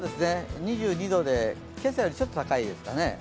２２度で、今朝よりちょっと高いですかね。